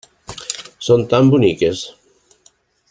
Són tan boniques!